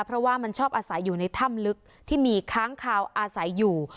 เพราะว่ามันชอบอาศัยอยู่ในถ้ำลึกที่มีค้างคาวอาศัยอยู่